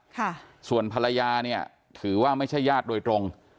ค่ะส่วนภรรยาเนี่ยถือว่าไม่ใช่ญาติโดยตรง